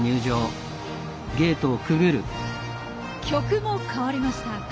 曲も変わりました。